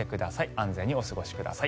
安全にお過ごしください。